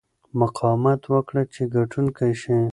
مقاومت وکړه چې ګټونکی شې.